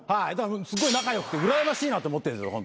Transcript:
すごい仲良くてうらやましいなって思ってるんすよ。